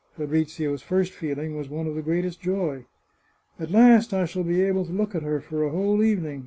Fabrizio's first feeling was one of the greatest joy. " At last I shall be able to look at her for a whole evening.